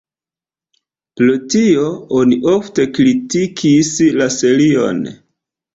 Pro tio oni ofte kritikis la serion.